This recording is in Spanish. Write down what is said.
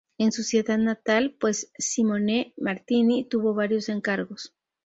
En su ciudad natal, pues, Simone Martini tuvo varios encargos.